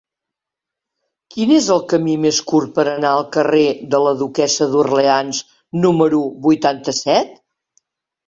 Quin és el camí més curt per anar al carrer de la Duquessa d'Orleans número vuitanta-set?